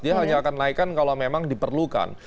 dia hanya akan naikkan kalau memang diperlukan